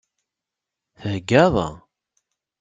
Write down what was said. Theggaḍ?